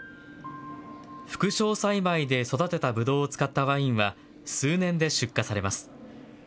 副梢栽培で育てたぶどうを使ったワインは数年で出荷されます。